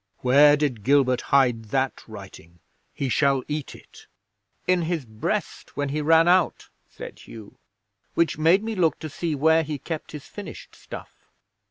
Where did Gilbert hide that writing? He shall eat it." '"In his breast when he ran out," said Hugh. "Which made me look to see where he kept his finished stuff.